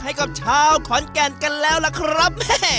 ให้กับชาวขอนแก่นกันแล้วล่ะครับ